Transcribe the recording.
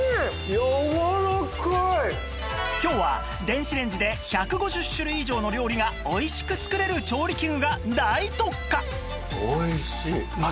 今日は電子レンジで１５０種類以上の料理がおいしく作れる調理器具が大特価！